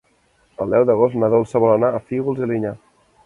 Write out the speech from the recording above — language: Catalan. El deu d'agost na Dolça vol anar a Fígols i Alinyà.